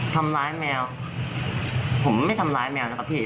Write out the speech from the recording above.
ทำร้ายแมวผมไม่ทำร้ายแมวนะครับพี่